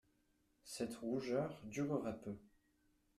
Cette rougeur dura peu.